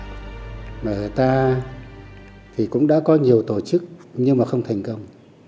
mà người ta thì cũng đã có nhiều tổ chức nhưng mà không thành công